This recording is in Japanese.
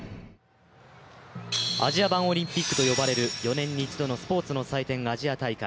アジア版オリンピックと呼ばれる４年に一度のスポーツの祭典、アジア大会。